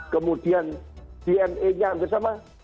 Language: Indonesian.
kemudian dna nya hampir sama